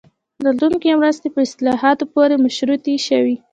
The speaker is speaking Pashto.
راتلونکې مرستې په اصلاحاتو پورې مشروطې شوې.